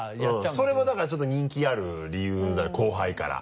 それはだからちょっと人気ある理由だね後輩から。